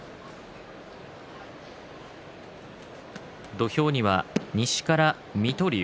土俵には西から水戸龍。